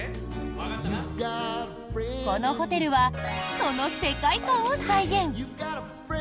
このホテルはその世界観を再現。